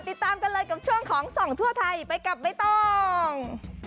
ติดตามกันเลยกับช่วงของส่องทั่วไทยไปกับใบตอง